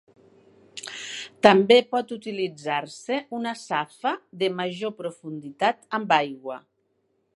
També pot utilitzar-se una safa de major profunditat amb aigua.